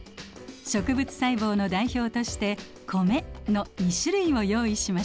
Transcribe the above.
植物細胞の代表として米の２種類を用意しました。